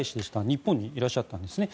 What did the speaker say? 日本にいらっしゃったんですね。